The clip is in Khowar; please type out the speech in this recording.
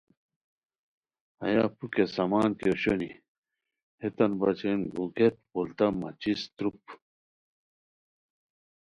پُھک کیہ سامان کی اوشونی ہیتان بچین گو گیہت پولتہ ( ماچس) تُروپ